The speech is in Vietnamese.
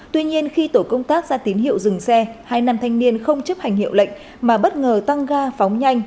tuy nhiên khi tổ công tác ra tín hiệu dừng xe hai nam thanh niên không chấp hành hiệu lệnh mà bất ngờ tăng ga phóng nhanh